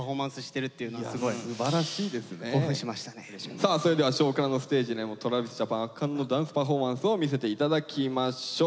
さあそれでは「少クラ」のステージでもＴｒａｖｉｓＪａｐａｎ圧巻のダンスパフォーマンスを見せて頂きましょう。